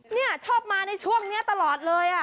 นี่ชอบมาในช่วงนี้ตลอดเลย